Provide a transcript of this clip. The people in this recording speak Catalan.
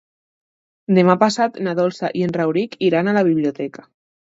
Demà passat na Dolça i en Rauric iran a la biblioteca.